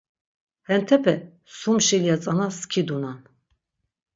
Hentepe sum şilya tzanas skidunan.